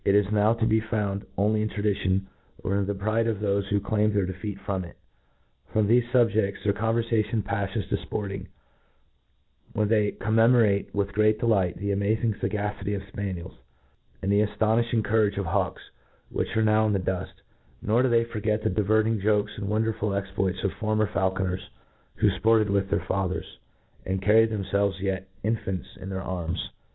is now t6 be found only in Jradition, or in the pride of thofe who claim their defcent from it. From thefe fubjcfts their ccwiverfation paffes to fporting ^when they commemorate, with great delight^ the amazing fegacity of fpaniels, and the afto nifhing courage of hawks, which are now in the duft J nor do they forget the diverting jokes and wonderful exploits of former faulconers who fported with their fathers, and carried themfelves yet infants in their arms.